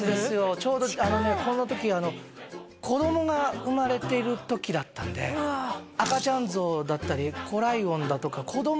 ちょうどこの時子供が生まれている時だったんでうわあ赤ちゃんゾウだったり子ライオンだとか子供